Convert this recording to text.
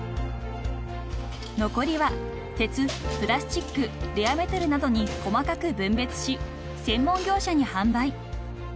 ［残りは鉄プラスチックレアメタルなどに細かく分別し専門業者に販売］